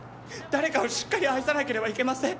誰かをしっかり愛さなければいけません。